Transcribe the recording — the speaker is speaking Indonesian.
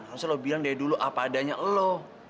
nggak usah lo bilang dari dulu apa adanya lo